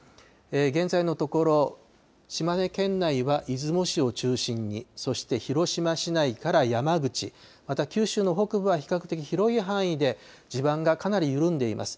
現在のところ、島根県内は出雲市を中心に、そして広島市内から山口、また九州の北部は比較的広い範囲で地盤がかなり緩んでいます。